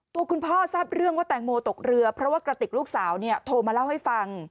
ตัวคุณพ่อทราบเรื่องว่าแตงโมตกเรือเพราะว่ากระติกลูกสาวเนี่ยโทรมาเล่าให้ฟัง